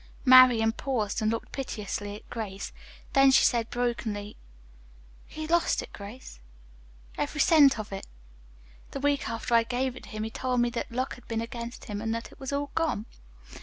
Marian paused and looked piteously at Grace. Then she said brokenly: "He lost it, Grace, every cent of it. The week after I gave it to him he told me that luck had been against him, and that it was all gone.